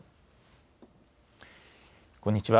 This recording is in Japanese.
こんにちは。